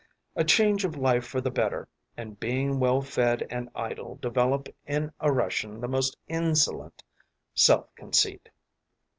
A change of life for the better, and being well fed and idle develop in a Russian the most insolent self conceit.